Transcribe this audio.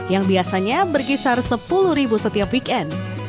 yang biasanya berkisar sepuluh ribu setiap weekend